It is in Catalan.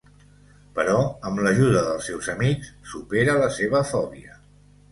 Però amb l'ajuda dels seus amics, supera la seva fòbia.